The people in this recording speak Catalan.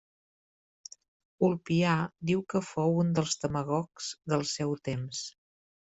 Ulpià diu que fou un dels demagogs del seu temps.